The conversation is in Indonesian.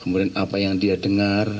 kemudian apa yang dia dengar